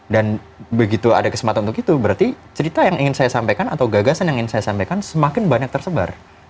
begitu ada kesempatan untuk itu berarti cerita yang ingin saya sampaikan atau gagasan yang ingin saya sampaikan semakin banyak tersebar